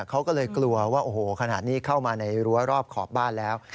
เขาก็เลยกลัวว่าโอ้โหขนาดนี้เข้ามาในรั้วรอบขอบบ้านแล้ว